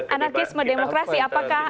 anarkisme demokrasi apakah